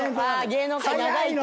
芸能界長いと。